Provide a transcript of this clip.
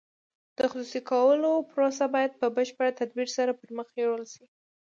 د خصوصي کولو پروسه باید په بشپړ تدبیر سره پرمخ یوړل شي.